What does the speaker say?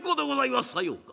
「さようか。